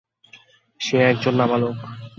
সে একজন নাবালক।